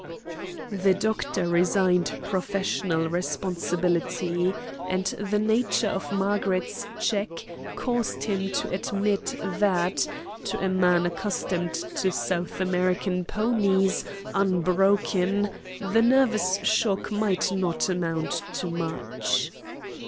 The doctor resigned professional responsibility; and the nature of Margaret's cheque caused him to admit that, to a man accustomed to South American ponies, unbroken, the nervous shock might not amount to much.